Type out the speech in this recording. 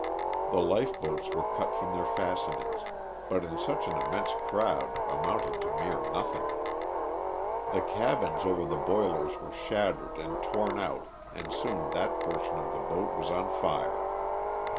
The life boats were cut from their fastenings ; but in such an immense crowd amounted to mere nothing. The cabins over the boilers were shattered and torn out and soon that portion of the boat was on fire.